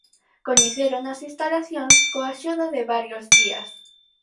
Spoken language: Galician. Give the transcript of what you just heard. Coñeceron as instalacións coa axuda de varios guías.